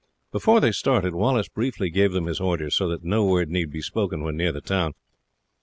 Before they started Wallace briefly gave them his orders, so that no word need be spoken when near the town.